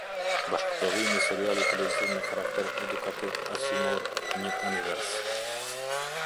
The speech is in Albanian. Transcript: Bashkeprodhimi i serialit televiziv me karakter edukativ arsimor nje univers